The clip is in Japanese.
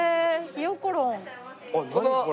ひよころん。